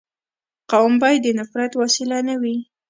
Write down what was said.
قوم باید د نفرت وسیله نه وي.